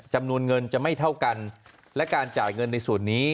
จำนวนเงินจะไม่เท่ากันและการจ่ายเงินในส่วนนี้